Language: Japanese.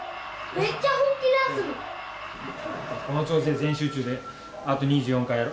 この調子で全集中であと２４回やろ。